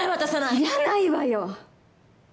いらないわよ。